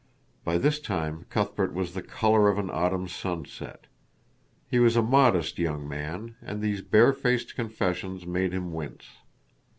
By this time Cuthbert was the color of an autumn sunset. He was a modest young man, and these barefaced confessions made him wince.